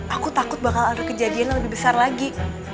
aku takut bakal ada kejadian yang lebih besar lagi